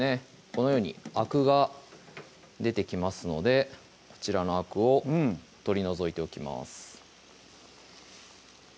このようにあくが出てきますのでこちらのあくを取り除いておきます